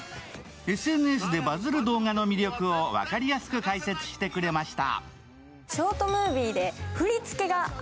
ＳＮＳでバズる動画の魅力を分かりやすく解説してくれました。